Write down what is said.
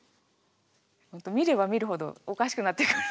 見れば見るほどおかしくなってくる。